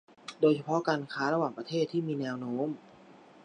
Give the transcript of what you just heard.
โดยเฉพาะการค้าระหว่างประเทศที่มีแนวโน้ม